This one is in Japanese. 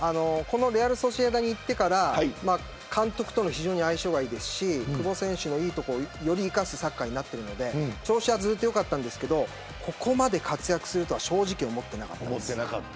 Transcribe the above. レアル・ソシエダに行ってから監督とも非常に相性がいいですし久保選手のいいところをより生かすサッカーになっていて調子はずっと良かったんですけどここまで活躍するとは正直、思ってなかったです。